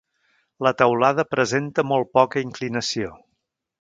La teulada presenta molt poca inclinació.